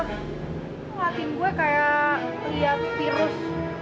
kok ngeliatin gue kayak liat virus